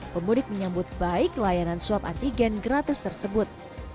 pemudik menyambut baik layanan swab antigen gratis tersebut